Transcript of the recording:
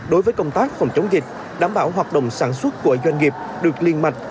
đối với công tác phòng chống dịch đảm bảo hoạt động sản xuất của doanh nghiệp được liên mạch